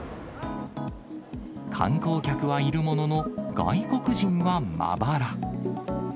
観光客はいるものの、外国人はまばら。